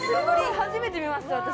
初めて見ました私。